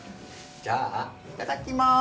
じゃあいただきます。